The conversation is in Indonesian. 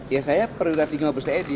ya saya perwira parti mabristeni